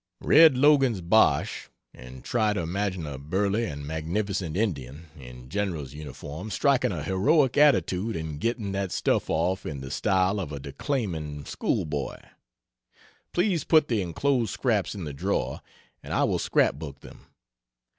Read Logan's bosh, and try to imagine a burly and magnificent Indian, in General's uniform, striking a heroic attitude and getting that stuff off in the style of a declaiming school boy. Please put the enclosed scraps in the drawer and I will scrap book them.